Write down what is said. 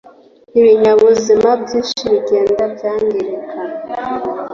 Ibinyabuzima byinshi bigenda byangirika